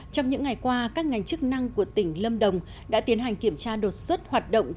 trong những ngày qua các ngành chức năng của tỉnh lâm đồng đã tiến hành kiểm tra đột xuất hoạt động